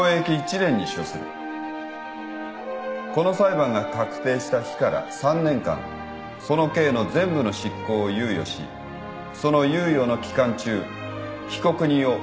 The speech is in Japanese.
この裁判が確定した日から３年間その刑の全部の執行を猶予しその猶予の期間中被告人を保護観察に付する。